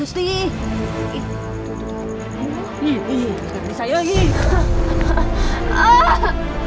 astagfirullahaladzim ya allah